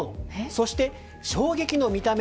そして、衝撃の見た目！